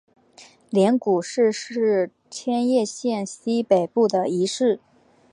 镰谷市是千叶县西北部的一市。